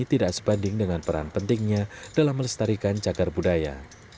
tidak sebanding dengan peran pentingnya dalam melestarikan cagar budaya